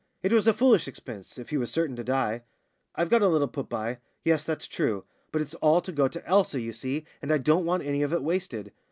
It was a foolish expense, if he was certain to die. "I've got a little put by yes, that's true. But it's all to go to Elsa, you see, and I don't want any of it wasted."